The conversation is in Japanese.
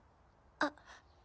あっ！